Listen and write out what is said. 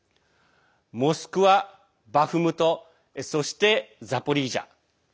モスクワ、バフムトそして、ザポリージャ。